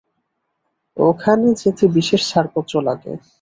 ওখানে যেতে বিশেষ ছাড়পত্র লাগে।